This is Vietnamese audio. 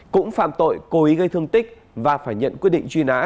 cũng phạm tội cố ý gây thương tích và phải nhận quyết định truy nã